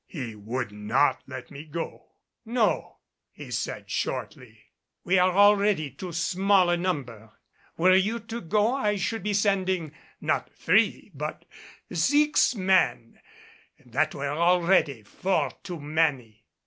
He would not let me go. "No," he said shortly, "we are already too small a number. Were you to go I should be sending not three, but six, men and that were already four too many."